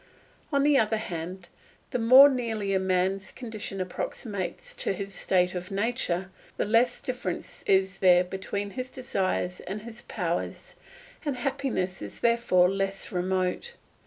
On the other hand, the more nearly a man's condition approximates to this state of nature the less difference is there between his desires and his powers, and happiness is therefore less remote.